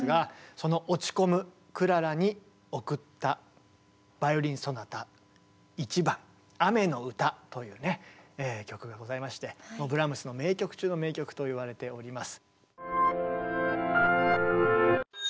その落ち込むクララに贈ったバイオリン・ソナタ１番「雨の歌」という曲がございましてブラームスの名曲中の名曲といわれております。